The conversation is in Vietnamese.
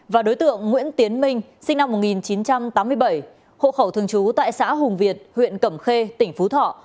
và đối tượng nguyễn tiến minh sinh năm một nghìn chín trăm tám mươi bảy hộ khẩu thường trú tại xã hùng việt huyện cẩm khê tỉnh phú thọ